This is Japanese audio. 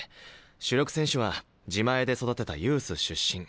主力選手は自前で育てたユース出身。